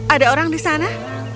ada orang di sana